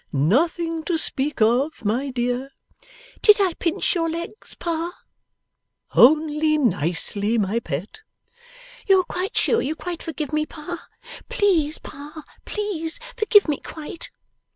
'Nothing to speak of; my dear.' 'Did I pinch your legs, Pa?' 'Only nicely, my pet.' 'You are sure you quite forgive me, Pa? Please, Pa, please, forgive me quite!